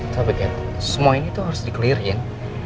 tapi kate semua ini tuh harus di clear in